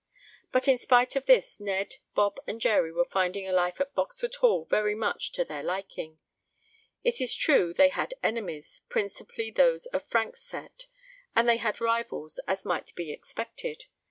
But in spite of this Ned, Bob and Jerry were finding life at Boxwood Hall very much to their liking. It is true they had enemies, principally those of Frank's set, and they had rivals, as might be expected.